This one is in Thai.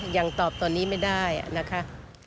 ยังตอบตอนนี้ไม่ได้นะคะ